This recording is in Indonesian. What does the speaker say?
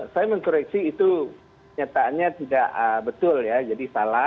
saya mengkoreksi itu nyataannya tidak betul ya jadi salah